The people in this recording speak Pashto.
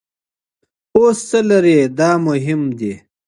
اوس څه لرئ دا مهم دي.